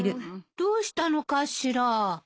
どうしたのかしら？